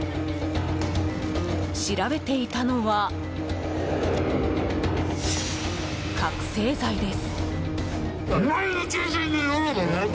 調べていたのは、覚醒剤です。